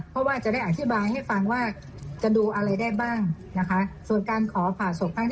ขออยากจะคุยกับเขามากกว่าค่ะ